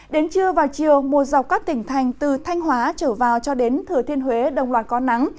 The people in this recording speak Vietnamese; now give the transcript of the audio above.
đến trưa vào chiều một dọc các tỉnh thành từ thanh hóa trở vào cho đến thừa thiên huế đồng loạt có nắng